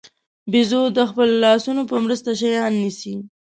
بیزو د خپلو لاسونو په مرسته شیان نیسي.